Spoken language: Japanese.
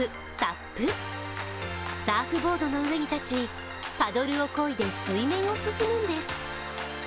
サーフボードの上に立ち、パドルをこいで水面を進むんです。